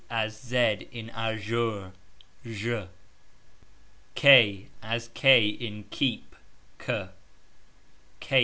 ... As z in azure... ............ As k in keep ......